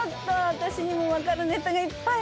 私にも分かるネタがいっぱいあって。